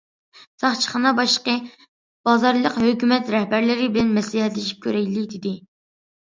ساقچىخانا باشلىقى:« بازارلىق ھۆكۈمەت رەھبەرلىرى بىلەن مەسلىھەتلىشىپ كۆرەيلى» دېدى.